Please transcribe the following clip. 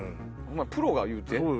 プロが言うて。